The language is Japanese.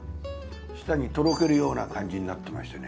舌にとろけるような感じになってましてね